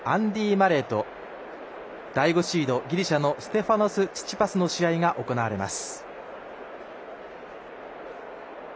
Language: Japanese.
・マレーとギリシャのステファノス・チチパスの試合が行われます。